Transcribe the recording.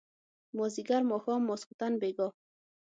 مازيګر ماښام ماسخوتن بېګا